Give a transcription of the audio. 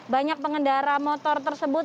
banyak pengendara motor tersebut